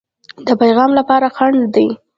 د پیغام لپاره خنډ دی.